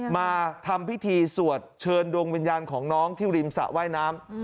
มาทำพิธีสวดเชิญดวงวิญญาณของน้องที่ริมสระว่ายน้ำ